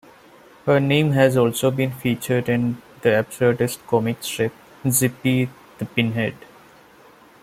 Her name has also been featured in the absurdist comic strip "Zippy the Pinhead".